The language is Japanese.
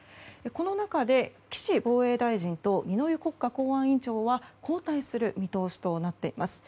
この中で岸防衛大臣と二之湯国家公安委員長は交代する見通しとなっています。